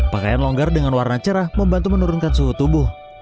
pakaian longgar dengan warna cerah membantu menurunkan suhu tubuh